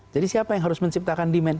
jadi siapa yang harus menciptakan demand